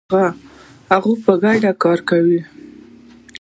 هغوی په ګډه کار کاوه.